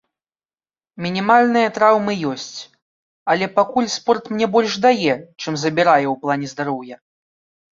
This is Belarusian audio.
Мінімальныя траўмы ёсць, але пакуль спорт мне больш дае, чым забірае ў плане здароўя.